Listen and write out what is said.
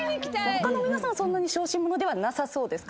他の皆さんはそんなに小心者ではなさそうですか？